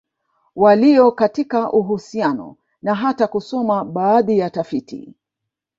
Walio katika uhusiano na hata kusoma baadhi ya tafiti